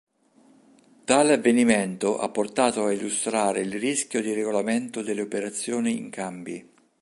Tale avvenimento ha portato a illustrare il rischio di regolamento delle operazioni in cambi.